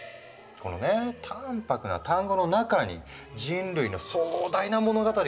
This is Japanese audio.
このね淡泊な単語の中に人類の壮大な物語が詰まってるのよ。